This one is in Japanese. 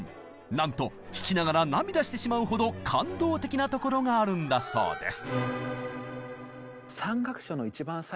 なんと弾きながら涙してしまうほど感動的なところがあるんだそうです。